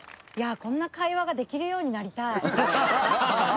こんな会話ができるようになりたい。